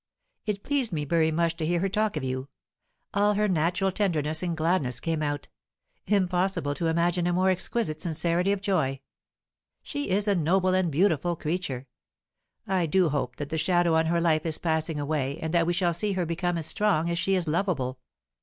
It pleased me very much to hear her talk of you; all her natural tenderness and gladness came out; impossible to imagine a more exquisite sincerity of joy. She is a noble and beautiful creature; I do hope that the shadow on her life is passing away, and that we shall see her become as strong as she is lovable.